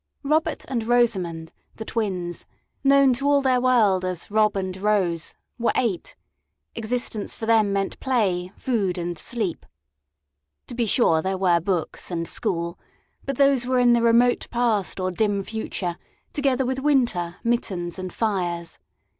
Robert and Rosamond, the twins known to all their world as "Rob" and "Rose" were eight; existence for them meant play, food, and sleep. To be sure, there were books and school; but those were in the remote past or dim future together with winter, mittens, and fires.